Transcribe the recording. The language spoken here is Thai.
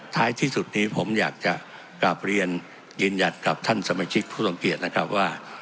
ท้ายที่สุดนี้ผมอยากจะกลับเรียนกินหยัดกับทั้งสมัยชิกผู้สงครรณ์เกียรติ